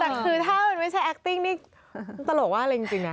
แต่คือถ้ามันไม่ใช่แอคติ้งนี่ตลกว่าอะไรจริงนะ